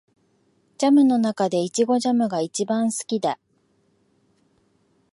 ジャムの中でイチゴジャムが一番好きだ